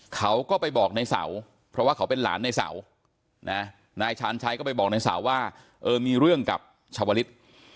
เขาก็ไปบอกในเสาเพราะว่าเขาเป็นหลานในเสานะนายชาญชัยก็ไปบอกในเสาว่าเออมีเรื่องกับชาวลิศ